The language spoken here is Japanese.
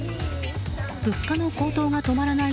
物価の高騰が止まらない